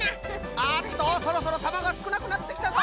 ああっとそろそろたまがすくなくなってきたぞ！